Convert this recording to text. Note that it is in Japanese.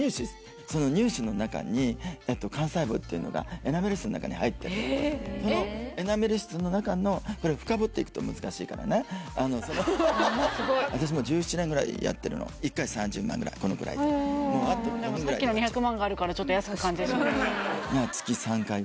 その乳歯の中に幹細胞っていうのがエナメル質の中に入ってるのそのエナメル質の中のこれ深掘っていくと難しいからねもうすごい私もう１７年ぐらいやってるのこのくらいででもさっきの２００万があるからちょっと安く感じる確かに月３回！